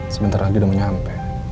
sebentar lagi udah menyampe